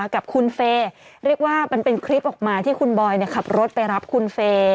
กับคุณเฟย์เรียกว่ามันเป็นคลิปออกมาที่คุณบอยขับรถไปรับคุณเฟย์